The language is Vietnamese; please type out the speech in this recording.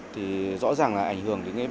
thì rõ ràng là ảnh hưởng đến